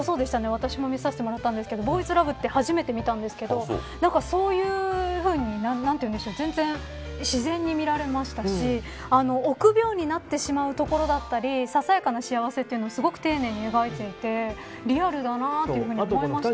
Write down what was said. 私も見させてもらったんですけどボーイズラブてって初めて見たんですけどそういうふうに全然、自然に見られましたし臆病になってしまうところだったりささやかな幸せをすごく丁寧に描いていてリアルだなというふうに思いました。